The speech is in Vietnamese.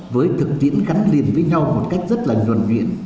với thực tiễn gắn liền với nhau một cách rất là nhuần nhuyện